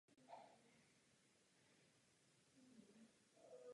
Grafické uživatelské rozhraní používá typicky ukazatel myši ve tvaru šipky.